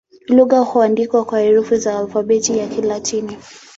Lugha huandikwa na herufi za Alfabeti ya Kilatini.